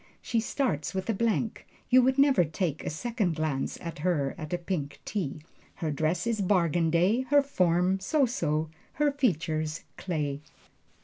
She starts with a blank you would never take a second glance at her at a pink tea. Her dress is bargain day, her form so so, her features clay.